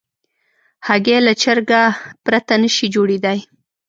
هګۍ له چرګه پرته نشي جوړېدای.